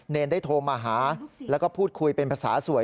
เนรได้โทรมาหาแล้วก็พูดคุยเป็นภาษาสวย